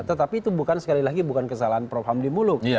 tetapi itu bukan sekali lagi bukan kesalahan prof hamdi muluk